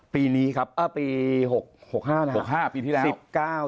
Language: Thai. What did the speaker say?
ปีนี้ครับปี๑๙๖๕นะครับ